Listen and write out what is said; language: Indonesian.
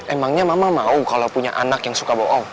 emangnya mama mau kalau punya anak yang suka bohong